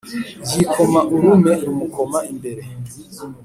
Yikoma urume rumukoma imbere.